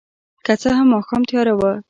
که څه هم ماښام تیاره وه.